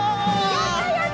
やったやった！